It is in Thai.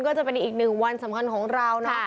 ก็จะเป็นอีกหนึ่งวันสำคัญของเรานะ